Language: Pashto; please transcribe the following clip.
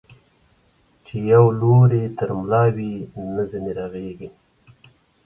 چي يو لور يې تر ملا وي، نه ځيني رغېږي.